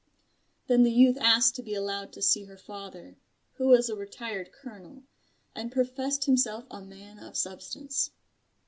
Then the youth asked to be allowed to see her father, who was a Retired Colonel; and professed himself a man of Substance.